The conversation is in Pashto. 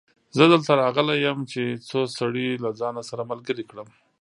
زه دلته راغلی يم چې څو سړي له ځانه سره ملګري کړم.